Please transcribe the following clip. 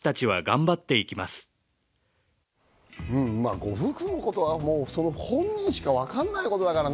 ご夫婦のことは本人しかわからないことだからね。